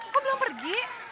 kok belum pergi